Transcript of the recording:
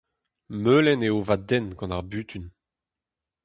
Melen eo va dent gant ar butun.